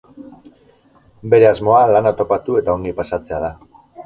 Bere asmoa lana topatu eta ongi pasatzea da.